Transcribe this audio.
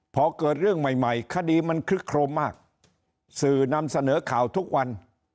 พอเกิดเรื่องใหม่ใหม่คดีมันคลึกโครมมากสื่อนำเสนอข่าวทุกวัน